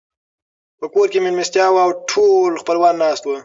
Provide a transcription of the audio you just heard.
په کور کې مېلمستيا وه او ټول خپلوان ناست وو.